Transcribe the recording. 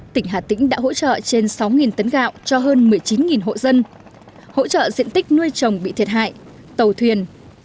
tỉnh hà tĩnh đã hỗ trợ trên sáu tấn gạo cho hơn một mươi chín hộ dân hỗ trợ diện tích nuôi trồng bị thiệt hại tàu thuyền